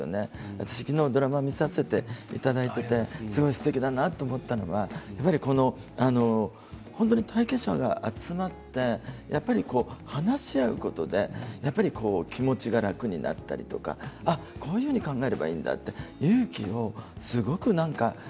私、昨日ドラマを見させていただいてすごいすてきだなと思ったのは本当に体験者が集まって話し合うことで気持ちが楽になったりとかこういうふうに考えればいいんだって勇気をすごく。